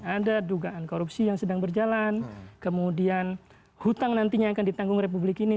ada dugaan korupsi yang sedang berjalan kemudian hutang nantinya akan ditanggung republik ini